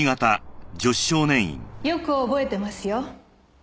よく覚えてますよ。